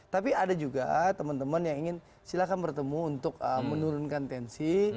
tapi ada juga teman teman yang ingin silakan bertemu untuk menurunkan tensi